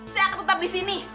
saya akan tetap disini